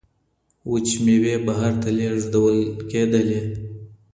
وچي میوې بهر ته لیږدول کیدلې.